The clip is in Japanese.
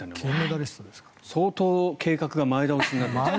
相当計画が前倒しになっている。